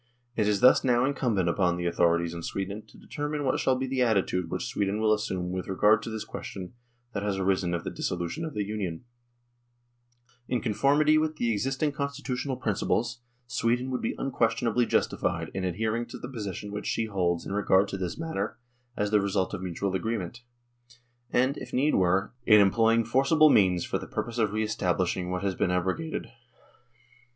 It is thus now incumbent upon the authorities in Sweden to determine what shall be the attitude which Sweden will assume with regard to this question that has arisen of the dissolution of the Union. 124 NORWAY AND THE UNION WITH SWEDEN " In conformity with the existing constitutional principles, Sweden would be unquestionably justified in adhering to the position which she holds in regard to this matter as the result of mutual agreement, and, if need were, in employing forcible means for the purpose of re establishing what has been abro gated.